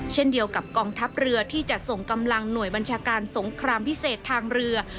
เช่นเดียวกับกองทัพเรือที่จะส่งกำลังหน่วยบัญชาการสงครามพิเศษทางเรือ